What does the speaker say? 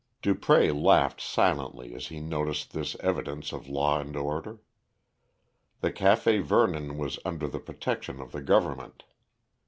Dupré laughed silently as he noticed this evidence of law and order. The Café Vernon was under the protection of the Government.